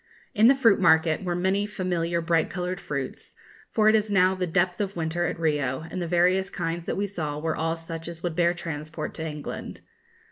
In the fruit market were many familiar bright coloured fruits; for it is now the depth of winter at Rio, and the various kinds that we saw were all such as would bear transport to England.